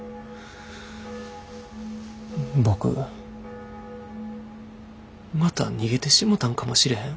僕また逃げてしもたんかもしれへん。